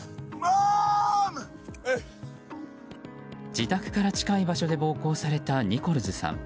自宅から近い場所で暴行されたニコルズさん。